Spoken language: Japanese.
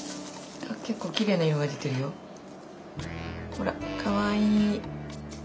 ほらかわいい！